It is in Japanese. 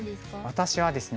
私はですね